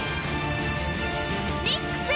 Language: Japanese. ミックス！